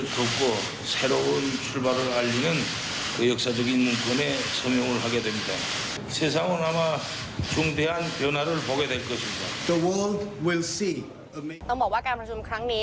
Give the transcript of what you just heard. ต้องบอกว่าการประชุมครั้งนี้